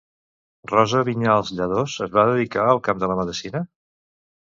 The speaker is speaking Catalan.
Rosa Viñals Lladós es va dedicar al camp de la medicina?